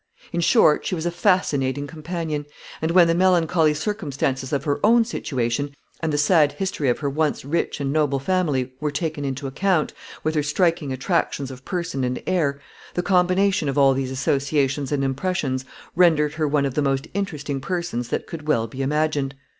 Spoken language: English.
In short, she was a fascinating companion; and when the melancholy circumstances of her own situation, and the sad history of her once rich and noble family, were taken into account, with her striking attractions of person and air, the combination of all these associations and impressions rendered her one of the most interesting persons that could well be imagined.